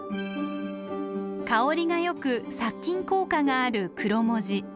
香りがよく殺菌効果があるクロモジ。